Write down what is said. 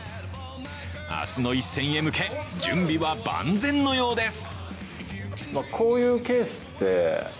明日の一戦へ向け、準備は万全のようです。